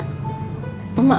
nanti juga dateng mak